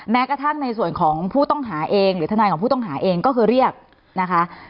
แม้กระทั่งในส่วนของผู้ต้องหาเองหรือทนายของผู้ต้องหาเองก็คือเรียกนะคะ